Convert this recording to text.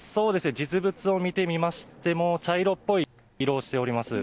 実物を見てみましても、茶色っぽい色をしております。